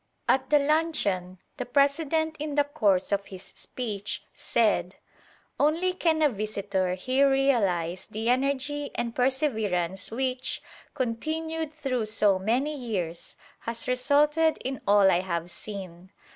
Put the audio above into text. At the luncheon the President in the course of his speech said: "Only can a visitor here realise the energy and perseverance which, continued through so many years, has resulted in all I have seen.